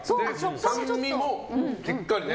酸味もしっかりね。